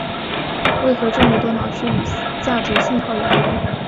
为何这么多脑区与价值信号有关。